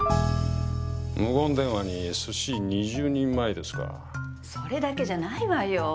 無言電話に寿司２０人前ですかそれだけじゃないわよ